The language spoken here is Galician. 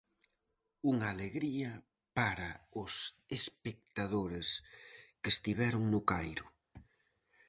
Unha alegría para os espectadores que estiveron no Cairo.